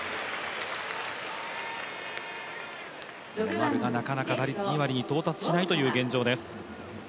丸がなかなか打率２割に到達しないという現状です。